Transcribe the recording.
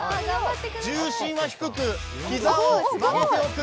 重心は低く膝を曲げておく。